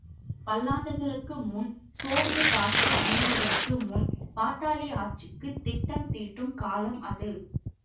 பல்லாண்டுகளுக்கு முன், சோவியத் ஆட்சி அமைவதற்கு முன், பாட்டாளி ஆட்சிக்குத் திட்டம் தீட்டும் காலம், அது.